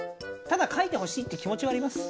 ただ書いてほしいって気もちはあります。